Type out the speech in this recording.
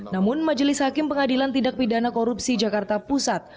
namun majelis hakim pengadilan tindak pidana korupsi jakarta pusat